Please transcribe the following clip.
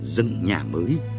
dân nhà mới